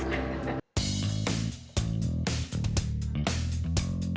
cil juga memiliki pakaian yang sangat menarik